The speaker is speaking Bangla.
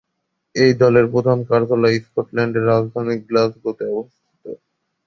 এই দলের প্রধান কার্যালয় স্কটল্যান্ডের রাজধানী গ্লাসগোতে অবস্থিত।